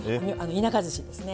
田舎寿司ですね。